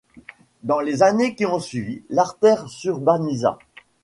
Dans les années qui ont suivi, l'artère s'urbanisa.